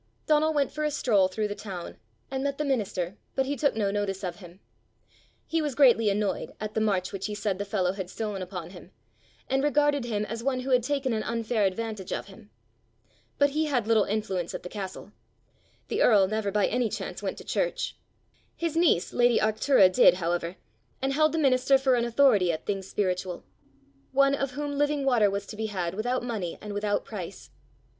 Donal went for a stroll through the town, and met the minister, but he took no notice of him. He was greatly annoyed at the march which he said the fellow had stolen upon him, and regarded him as one who had taken an unfair advantage of him. But he had little influence at the castle. The earl never by any chance went to church. His niece, lady Arctura, did, however, and held the minister for an authority at things spiritual one of whom living water was to be had without money and without price.